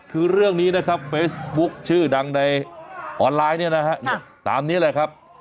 คือเรื่องนี้นะครับเฟซบุ๊คชื่อดังในออนไลน์เนี่ยนะฮะเนี่ยตามนี้เลยครับ